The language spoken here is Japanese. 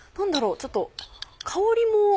ちょっと香りも。